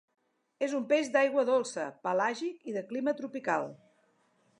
És un peix d'aigua dolça, pelàgic i de clima tropical.